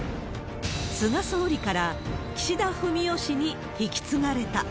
菅総理から岸田文雄氏に引き継がれた。